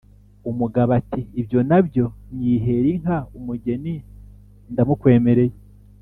Umugabo ati: "Ibyo na byo! Nyihera inka, umugeni ndamukwemereye.